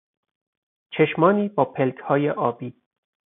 چشمانی با پلکهای آبی